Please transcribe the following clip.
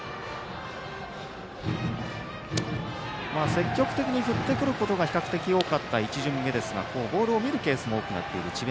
積極的に振ってくることが比較的多かった１巡目ですがボールを見るケースも多くなっている智弁